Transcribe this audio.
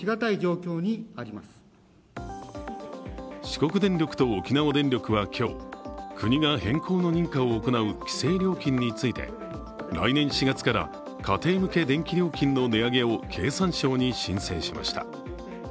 四国電力と沖縄電力は今日国が変更の認可を行う規制料金について来年４月から家庭向け電気料金の値上げを経産省に申請しました。